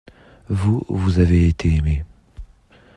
Vous, vous avez été aimé.